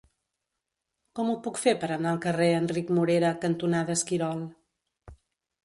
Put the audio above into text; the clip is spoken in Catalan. Com ho puc fer per anar al carrer Enric Morera cantonada Esquirol?